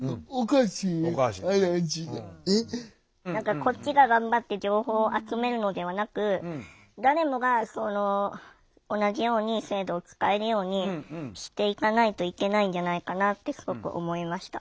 こっちが頑張って情報を集めるのではなく誰もが同じように制度を使えるようにしていかないといけないんじゃないかなってすごく思いました。